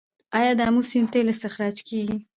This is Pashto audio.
آیا د امو سیند تیل استخراج کیږي؟